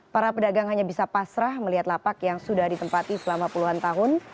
para pedagang hanya bisa pasrah melihat lapak yang sudah ditempati selama puluhan tahun